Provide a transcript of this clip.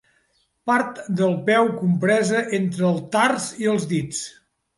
Part del peu compresa entre el tars i els dits.